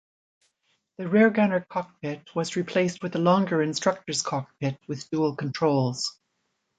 The rear gunner' cockpit was replaced with a longer instructor's cockpit with dual controls.